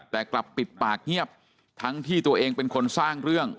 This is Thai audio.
แต่กลับปิดปากเงียบทั้งที่ตัวเองเป็นคนสร้างเรื่อง